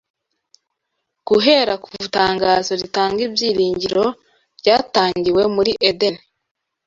Guhera ku itangazo ritanga ibyiringiro ryatangiwe muri Edeni